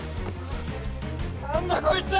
何だこいつ！